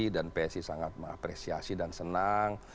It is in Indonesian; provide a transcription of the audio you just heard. dan psi sangat mengapresiasi dan senang